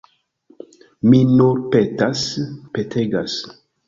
Mi nur petas, petegas.